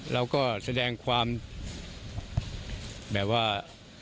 เราก็แสดงความแบบว่า